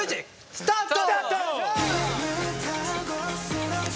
スタート！